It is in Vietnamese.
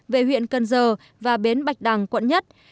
về huyện cần giờ và bến bạch đằng quận một